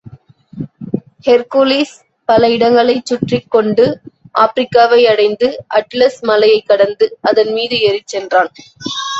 Hercules பல இடங்களைச் சுற்றிக்கொண்டு, ஆப்பிரிக்காவை அடைந்து, atlas மலையைக் கண்டு, அதன் மீது ஏறிச் சென்றான்.